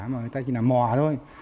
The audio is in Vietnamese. người ta chỉ làm mò thôi